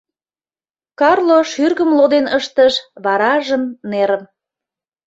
Карло шӱргым лоден ыштыш, варажым нерым...